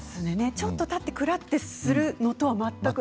ちょっと立ってクラッてするのとは全く。